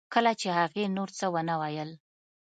کله چې هغې نور څه ونه ویل